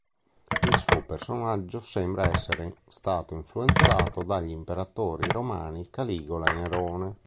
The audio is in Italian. Il suo personaggio sembra essere stato influenzato dagli Imperatori romani Caligola e Nerone.